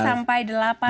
terima kasih mbak